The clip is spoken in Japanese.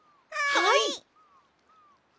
はい！